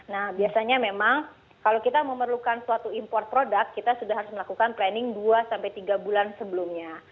nah biasanya memang kalau kita memerlukan suatu import produk kita sudah harus melakukan planning dua sampai tiga bulan sebelumnya